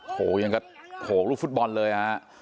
โอ้โหยังกระโขลูกฟุตบอลเลยฮะ